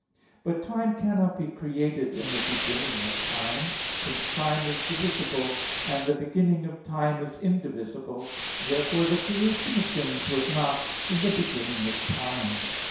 But time cannot be created in the beginning of time, since time is divisible, and the beginning of time is indivisible. Therefore, the creation of things was not in the beginning of time.